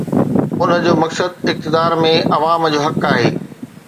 ان جو مقصد اقتدار ۾ عوام جو حق آهي.